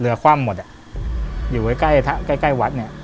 เรือคว่ำหมดอยู่ไว้ใกล้วัดเนี่ย